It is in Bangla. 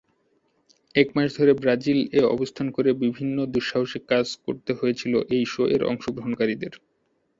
এক মাস ধরে ব্রাজিল এ অবস্থান করে বিভিন্ন দুঃসাহসিক কাজ করতে হয়েছিল এই শো-এর অংশগ্রহণকারীদের।